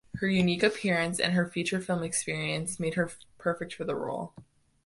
Her "unique appearance" and her feature film experience made her perfect for the role.